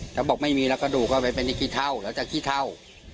ถ้าบอกไม่มีแล้วกระดูกก็ไปเป็นกี่เท่าแล้วจะกี่เท่า